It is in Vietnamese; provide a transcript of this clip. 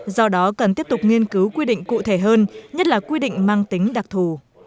do đó cần tiếp tục nghiên cứu quy định cụ thể hơn nhất là quy định mang tính đặc thù